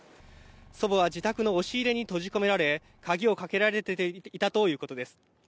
祖母は自宅の押し入れに閉じ込められ、鍵をかけられていたということです。